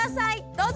どうぞ！